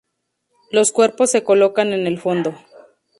Los cuerpos se colocan en el fondo.